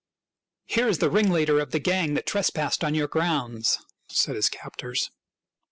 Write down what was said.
"Here is the ringleader of the gang that tres passed on your grounds," said his captors.